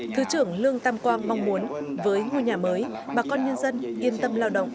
thứ trưởng lương tam quang mong muốn với ngôi nhà mới bà con nhân dân yên tâm lao động